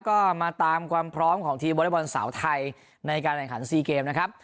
ก็มาตามความพร้อมของทีมวอเล็กบอลสาวไทยในการแข่งขันซีเกมนะครับ